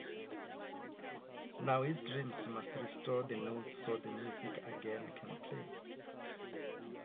Now his dreams must restore the notes so the music again can play.